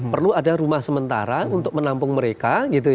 perlu ada rumah sementara untuk menampung mereka